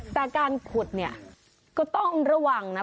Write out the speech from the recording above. แต่การขุดเนี่ยก็ต้องระวังนะ